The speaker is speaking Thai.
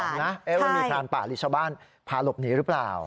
นะว่ามีพรานป่าหรือชาวบ้านพาหลบหนีหรือเปล่า